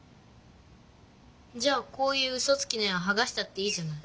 じゃあこういううそつきの絵ははがしたっていいじゃない。